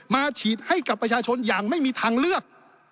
ฉีดให้กับประชาชนอย่างไม่มีทางเลือก